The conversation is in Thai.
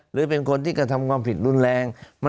หรือเป็นคนที่กระทำความผิดรุนแรง